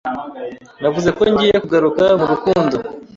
Navuze ko ngiye kugaruka murukundo